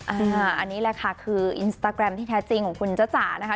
อันนี้แหละค่ะคืออินสตาแกรมที่แท้จริงของคุณจ้าจ๋านะคะ